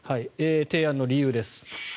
提案の理由です。